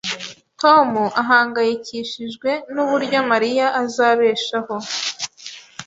Tom ahangayikishijwe nuburyo Mariya azabeshaho